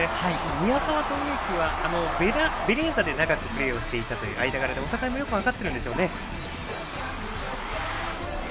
宮澤と植木はベレーザで長くプレーをしていた間柄で、お互いもよく分かっているんですよね。